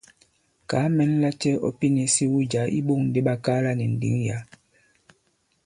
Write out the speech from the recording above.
Kàa mɛn lacɛ̄ ɔ pinīs iwu jǎ i iɓōŋ di ɓakaala nì ndǐŋ yǎ.